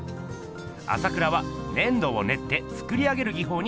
朝倉は粘土をねって作り上げる技法に魅せられます。